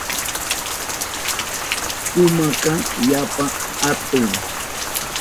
Pumaka yapa hatun.